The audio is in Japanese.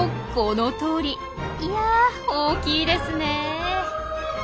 いや大きいですね！